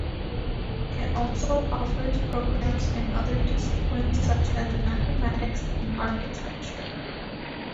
It also offers programs in other disciplines such as mathematics and architecture.